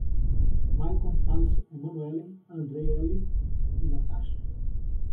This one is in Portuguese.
Maikon, Talisson, Emanuelle, Andrieli e Natacha